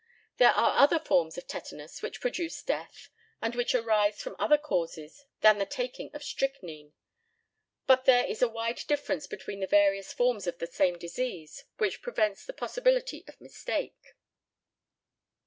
There are other forms of tetanus which produce death, and which arise from other causes than the taking of strychnine, but there is a wide difference between the various forms of the same disease, which prevents the possibility of mistake.